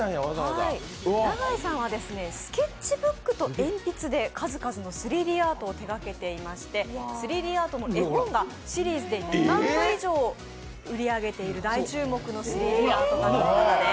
永井さんはスケッチブックと鉛筆で数々の３Ｄアートを手がけていまして３Ｄアートの絵本をシリーズで２万部以上売り上げている大注目の３Ｄアート画家ということです。